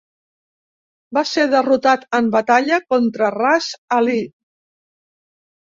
Va ser derrotat en batalla contra Ras Ali.